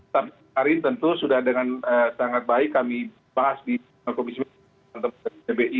tapi hari tentu sudah dengan sangat baik kami bahas di komisi sembilan